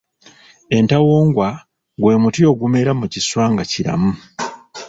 Entawongwa gwe muti ogumera mu kiswa nga kiramu.